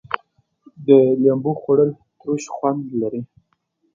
خوړل د لیمو ترشي خوند لري